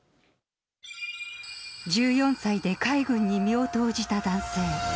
１４歳で海軍に身を投じた男性。